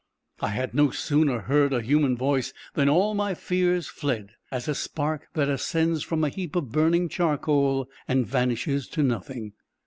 I had no sooner heard a human voice than all my fears fled, as a spark that ascends from a heap of burning charcoal, and vanishes to nothing.